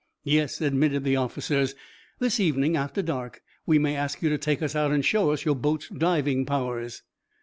"Yes," admitted the officers. "This evening, after dark, we may ask you to take us out and show us your boat's diving powers."